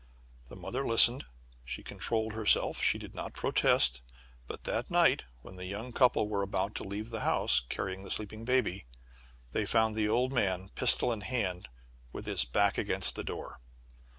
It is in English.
The mother listened. She controlled herself. She did not protest. But that night, when the young couple were about to leave the house, carrying the sleeping baby, they found the old man, pistol in hand, with his back against the door.